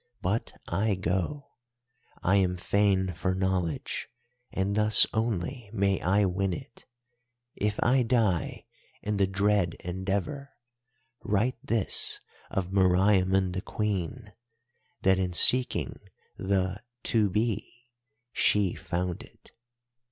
But I go. I am fain for knowledge, and thus only may I win it. If I die in the dread endeavour, write this of Meriamun the Queen: That in seeking the to be—she found it!